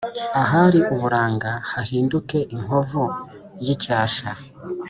ahari uburanga hahinduke inkovu y’icyasha.